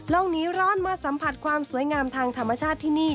หนีร้อนมาสัมผัสความสวยงามทางธรรมชาติที่นี่